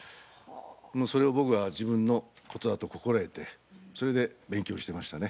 もうそれを僕は自分のことだと心得てそれで勉強してましたね。